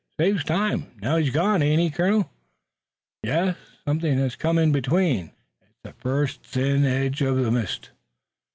It saves time. Now he's gone, ain't he, colonel?" "Yes, something has come in between." "It's the first thin edge uv the mist.